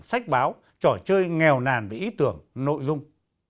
nhất báo trò chơi nghèo nàn với ý tưởng nội dung